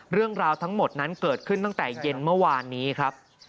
เรื่องราวทั้งหมดนั้นเกิดขึ้นตั้งแต่เย็นเมื่อวานนี้ครับ